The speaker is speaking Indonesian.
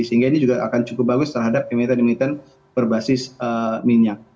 sehingga ini juga akan cukup bagus terhadap emiten emiten berbasis minyak